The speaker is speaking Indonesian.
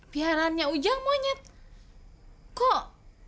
piaraannya ujang monyet kok